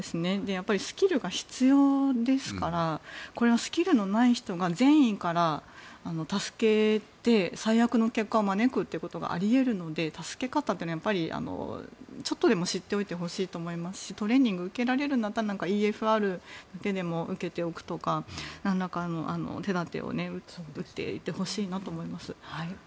やっぱりスキルが必要ですからこれはスキルのない人が善意から助けて最悪の結果を招くということがあり得るので助け方というのはやっぱりちょっとでも知っておいてほしいと思いますしトレーニングを受けられるんだったらＥＦＲだけでも受けておくとか手立てを打っていってほしいなと思います。